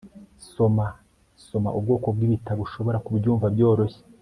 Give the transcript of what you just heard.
Soma Soma ubwoko bwibitabo ushobora kubyumva byoroshye